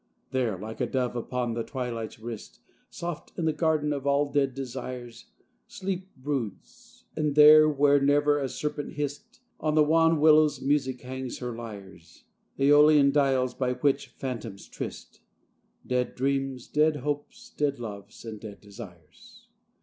There, like a dove upon the twilight's wrist, Soft in the Garden of all Dead Desires, Sleep broods; and there, where never a serpent hissed, On the wan willows music hangs her lyres, Æolian dials by which phantoms tryst Dead dreams, dead hopes, dead loves, and dead desires.